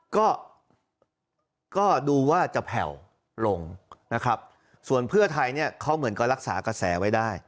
ก็ก็ดูว่าจะแผ่วลงนะครับส่วนเพื่อไทยเนี่ยเขาเหมือนก็รักษากระแสไว้ได้